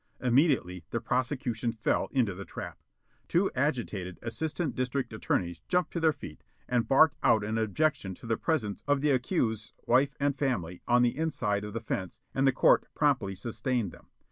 Immediately the prosecution fell into the trap. Two agitated Assistant District Attorneys jumped to their feet and barked out an objection to the presence of the accused's wife and family on the inside of the fence, and the court promptly sustained them.